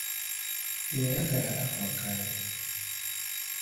Teyayagala Aku akaabe.